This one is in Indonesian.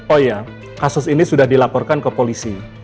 oh iya kasus ini sudah dilaporkan ke polisi